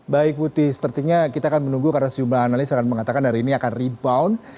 baik putih sepertinya kita akan menunggu karena sejumlah analis akan mengatakan hari ini akan rebound